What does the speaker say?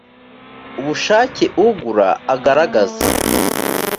ubushake ugura agaragaza